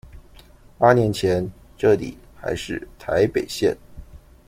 八年前這裡還是臺北縣